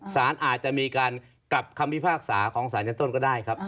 สารอาจจะมีการกลับคำพิพากษาของสารชั้นต้นก็ได้ครับ